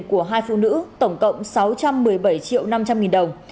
của hai phụ nữ tổng cộng sáu trăm một mươi bảy triệu năm trăm linh nghìn đồng